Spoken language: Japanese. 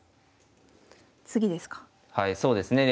次ですか。